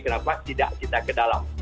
kenapa tidak kita ke dalam